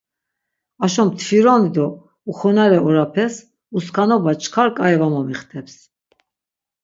Aşo mtvironi do uxonare orapes uskanoba çkar k̆ai va momixteps.